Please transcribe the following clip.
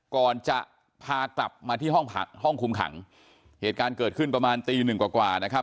ก่อนจะพากลับมาที่ห้องขุมขังเหตุการณ์เกิดขึ้นประมาณตีหนึ่งกว่ากว่า